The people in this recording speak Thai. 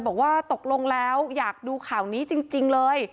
บอกว่าตกลงแล้วอยากดูข่าวนี้จริงเลย